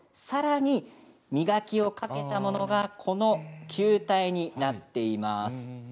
さらに磨きをかけたものがこの球体になっています。